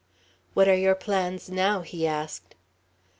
"What are your plans now?" he asked.